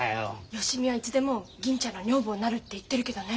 芳美はいつでも銀ちゃんの女房になるって言ってるけどね。